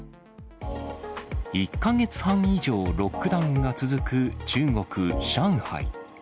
１か月半以上、ロックダウンが続く中国・上海。